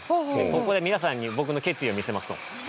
ここで皆さんに僕の決意を見せますと。